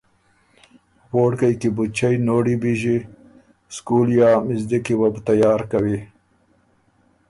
ووړکئ کی بو چئ نوړی بیݫی، سکول یا مِزدِک کی وه بُو تیار کوی۔